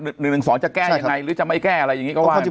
หนึ่งสองจะแก้ยังไงหรือจะไม่แก้อะไรอย่างนี้ก็ว่าข้อจริง